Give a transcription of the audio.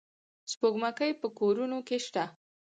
سپوږمکۍ په کورونو کې شته.